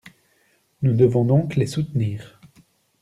Nous devons donc les soutenir.